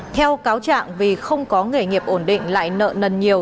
theo cáo trạng vì không có nghề nghiệp ổn định lại nợ nần nhiều